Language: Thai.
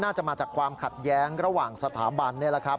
น่าจะมาจากความขัดแย้งระหว่างสถาบันนี่แหละครับ